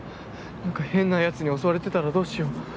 変な奴に襲われてたらどうしよう。